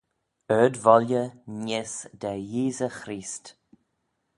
Ard voylley neesht da Yeesey Chreest.